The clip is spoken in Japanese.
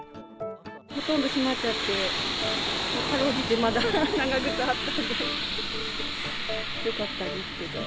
ほとんどしまっちゃって、かろうじてまだ長靴あったからよかったですけど。